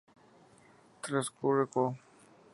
Treasure Co.